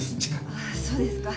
ああそうですか。